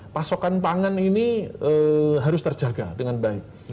pasokan pangan ini harus terjaga dengan baik